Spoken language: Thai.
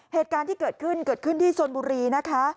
เหตุการณ์ที่เกิดขึ้นที่ชนบุรีนะคะ